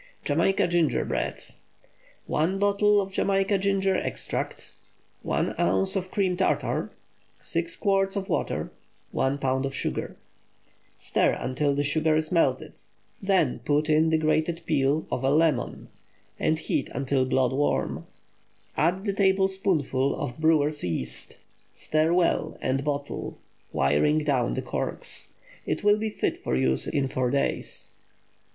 JAMAICA GINGER BEER. 1 bottle Jamaica Ginger Extract. 1 oz. cream tartar. 6 quarts water. 1 lb. sugar. Stir until the sugar is melted, then put in the grated peel of a lemon, and heat until blood warm. Add a tablespoonful of brewers' yeast; stir well and bottle, wiring down the corks. It will be fit for use in four days.